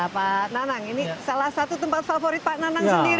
pak nanang ini salah satu tempat favorit pak nanang sendiri